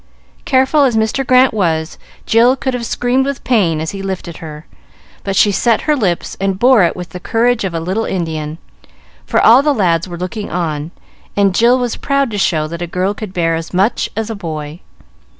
Careful as Mr. Grant was, Jill could have screamed with pain as he lifted her; but she set her lips and bore it with the courage of a little Indian; for all the lads were looking on, and Jill was proud to show that a girl could bear as much as a boy.